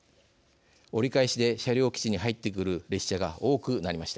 折り返しで車両基地に入ってくる列車が多くなりました。